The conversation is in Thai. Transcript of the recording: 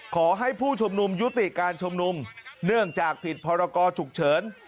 ขอให้ผู้ชุมนุมยุติการชุมนุมเนื่องจากผิดพรกรฉุกเฉิน